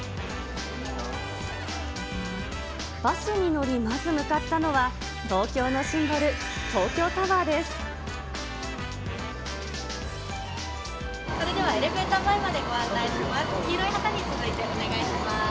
バスに乗り、まず向かったのは、それではエレベーター前までご案内します。